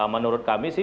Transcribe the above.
menurut kami sih